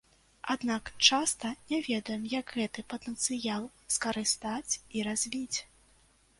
Аднак часта не ведаем, як гэты патэнцыял скарыстаць і развіць!